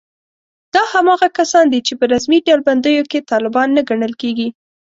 دا هماغه کسان دي چې په رسمي ډلبندیو کې طالبان نه ګڼل کېږي